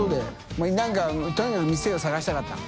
泙なんかとにかく店を探したかったの？